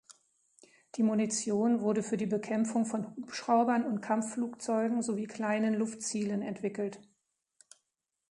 Die Munition wurde für die Bekämpfung von Hubschraubern und Kampfflugzeugen sowie kleinen Luftzielen entwickelt.